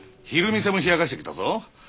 昼見世も冷やかしてきたぞ。